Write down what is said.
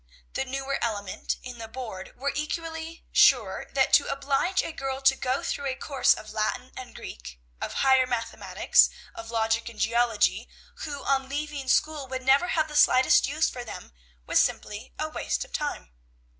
The newer element in the Board were equally sure that to oblige a girl to go through a course of Latin and Greek, of higher mathematics, of logic and geology, who, on leaving school, would never have the slightest use for them, was simply a waste of time.